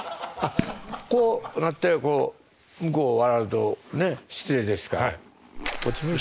こうなってこう向こう笑うと失礼ですからこっち向いて。